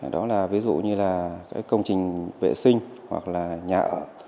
đó là ví dụ như là các công trình vệ sinh hoặc là nhà ở